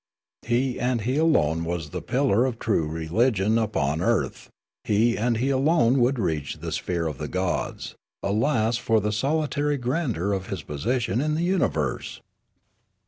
He and he alone was the pillar of true religion upon earth ; he and he alone would reach the sphere of the gods ; alas for the solitary grandeur of his position in the universe